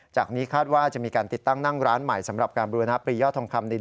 จากนี้คาดว่าจะมีการติดตั้งนั่งร้านใหม่